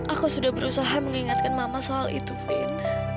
aku sudah berusaha mengingatkan mama soal itu fin